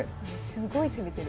すごい攻めてる。